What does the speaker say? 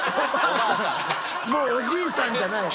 もうおじいさんじゃない。